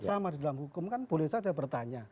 sama di dalam hukum kan boleh saja bertanya